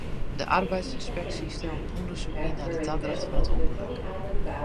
De arbeidsynspeksje stelt in ûndersyk yn nei de tadracht fan it ûngelok.